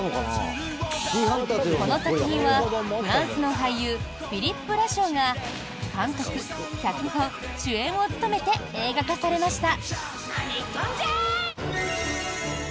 この作品はフランスの俳優フィリップ・ラショーが監督、脚本、主演を務めて映画化されました。